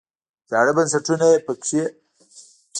زاړه بنسټونه پکې په خپل ځای پاتې شول.